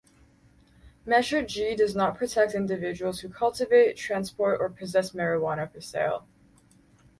Measure G does not protect individuals who cultivate, transport or possess marijuana for sale.